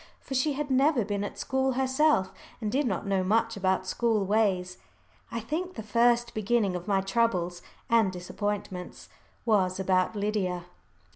For she had never been at school herself, and did not know much about school ways. I think the first beginning of my troubles and disappointments was about Lydia.